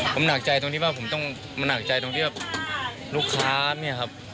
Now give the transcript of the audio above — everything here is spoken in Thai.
ผมหนักใจตรงที่ว่าผมต้องมาหนักใจตรงที่ว่าลูกค้าเนี่ยครับ